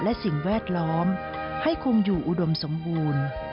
และสิ่งแวดล้อมให้คงอยู่อุดมสมบูรณ์